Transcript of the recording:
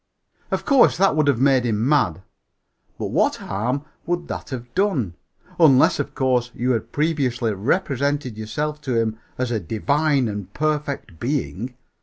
Of course, that would have made him mad. But what harm would that have done?... Unless, of course, you had previously represented yourself to him as a Divine and Perfect Being.